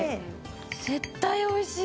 絶対おいしい！